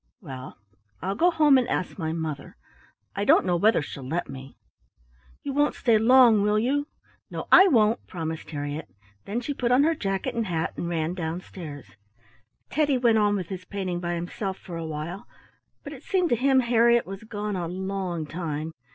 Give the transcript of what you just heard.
"Well, I'll go home and ask my mother. I don't know whether she'll let me." "You won't stay long, will you?" "No, I won't," promised Harriett. Then she put on her jacket and hat and ran down stairs. Teddy went on with his painting by himself for a while, but it seemed to him Harriett was gone a long time.